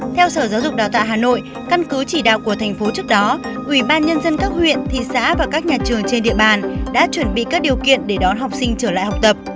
theo sở giáo dục đào tạo hà nội căn cứ chỉ đạo của thành phố trước đó ủy ban nhân dân các huyện thị xã và các nhà trường trên địa bàn đã chuẩn bị các điều kiện để đón học sinh trở lại học tập